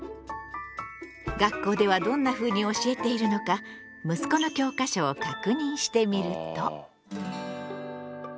学校ではどんなふうに教えているのか息子の教科書を確認してみると。